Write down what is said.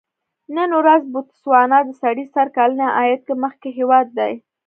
نن ورځ بوتسوانا د سړي سر کلني عاید کې مخکې هېواد دی.